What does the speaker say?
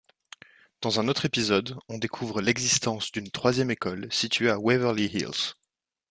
Dans un autre épisode on découvre l'existence d'une troisième école situé à Waverly Hills.